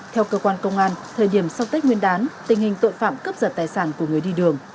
theo cơ quan công an thời điểm sau tết nguyên đán tình hình tội phạm cướp giật tài sản của người đi đường